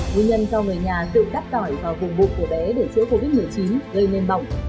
nguyên nhân cho người nhà tự cắt tỏi vào vùng bụt của bé để chữa covid một mươi chín gây nên bỏng